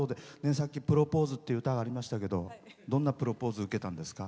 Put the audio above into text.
さっき「プロポーズ」って歌がありましたけどどんなプロポーズを受けたんですか。